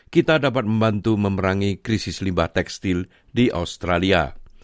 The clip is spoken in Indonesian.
kita dapat membantu memerangi krisis limbah tekstil di australia